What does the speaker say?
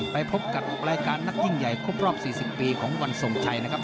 ไปพบกับรายการนักยิ่งใหญ่ครบรอบ๔๐ปีของวันทรงชัยนะครับ